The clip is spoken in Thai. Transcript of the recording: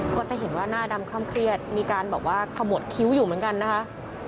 ก็จะเห็นว่าหน้าดำคล่ำเครียดมีการบอกว่าขมวดคิ้วอยู่เหมือนกันนะคะ